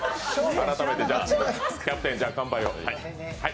改めて、キャプテン、乾杯を。